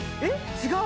違う！